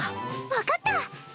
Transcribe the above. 分かった！